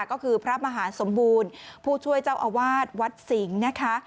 ก็คือพระมหาสมบูรณ์ผู้ช่วยเจ้าอาวาสวัดสิงห์นะคะ